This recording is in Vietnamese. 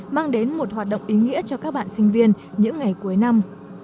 mang đến một hoạt động ý nghĩa cho các bạn sinh viên những ngày cuối năm